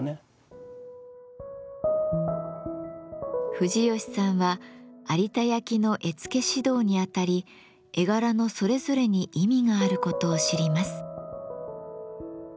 藤吉さんは有田焼の絵付け指導にあたり絵柄のそれぞれに意味があることを知ります。